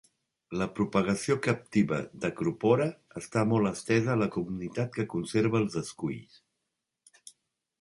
La propagació captiva d'"Acropora" està molt estesa a la comunitat que conserva els esculls.